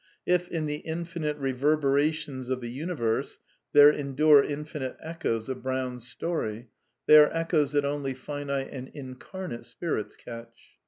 If, in the infinite reverberations of the universe, there endure infinite echoes of Brown's story, they are echoes that only finite and incarnate spirits catch.